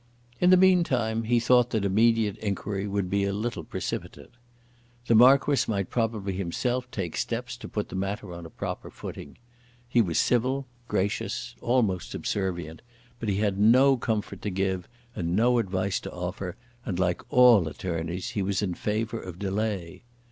In the meantime he thought that immediate enquiry would be a little precipitate. The Marquis might probably himself take steps to put the matter on a proper footing. He was civil, gracious, almost subservient; but he had no comfort to give and no advice to offer, and, like all attorneys, he was in favour of delay.